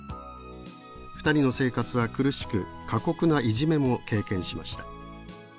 ２人の生活は苦しく過酷ないじめも経験しました。